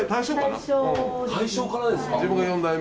大正からですか。